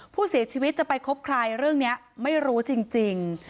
ผู้เสียชีวิตจะไปคบใครเรื่องนี้ไม่รู้จริง